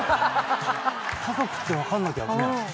家族って分かんなきゃ。